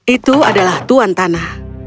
itu adalah tuan tanah